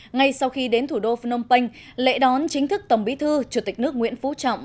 ngay sau khi đến thủ đô phnom penh lễ đón chính thức tổng bí thư chủ tịch nước nguyễn phú trọng